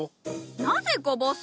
なぜこぼす？